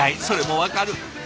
それも分かる！